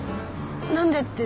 何でって。